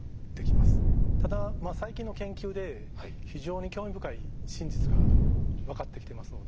ただ最近の研究で非常に興味深い真実が分かってきてますので。